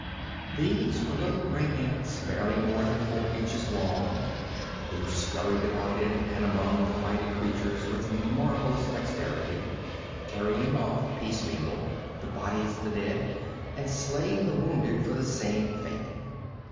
These were little gray ants barely more than four inches long, who scurried about in and among the fighting creatures with marvelous dexterity, carrying off, piece meal, the bodies of the dead, and slaying the wounded for the same fate.